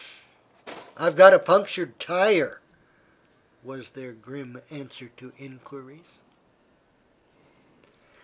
"I've got a punctured tire," was their grim answer to inquiries.